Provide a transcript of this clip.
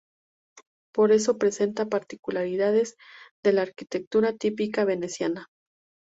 Por eso presenta particularidades de la arquitectura típica veneciana.